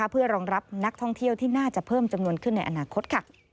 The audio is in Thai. เพื่อรองรับนักท่องเที่ยวที่น่าจะเพิ่มจำนวนขึ้นในอนาคต